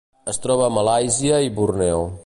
Es troba a Malàisia i Borneo.